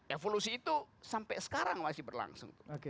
evolusi itu sampai sekarang masih berlangsung